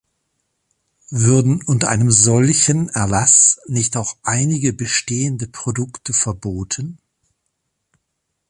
Würden unter einem solchen Erlass nicht auch einige bestehende Produkte verboten?